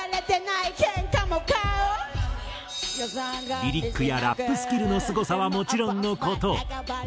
リリックやラップスキルのすごさはもちろんの事。